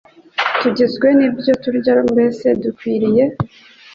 Tugizwe n’ibyo turya. Mbese dukwiriye